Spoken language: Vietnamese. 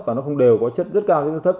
và nó không đều có chất rất cao cho nó thấp